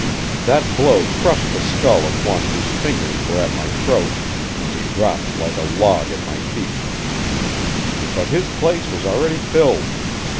That blow crushed the skull of one whose fingers were at my throat, and he dropped like a log at my feet; but his place was already filled.